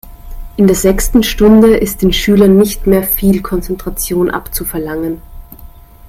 In der sechsten Stunde ist den Schülern nicht mehr viel Konzentration abzuverlangen.